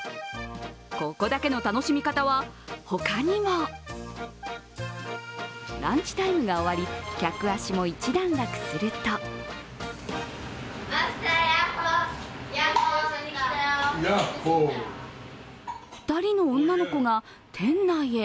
ここだけの楽しみ方は他にもランチタイムが終わり、客足も一段落すると２人の女の子が店内へ。